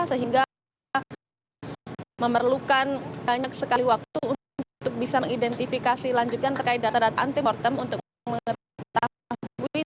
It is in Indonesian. sehingga memerlukan banyak sekali waktu untuk bisa mengidentifikasi lanjutkan terkait data data anti mortem untuk mengetahui